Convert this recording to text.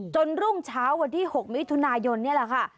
รุ่งเช้าวันที่๖มิถุนายนนี่แหละค่ะ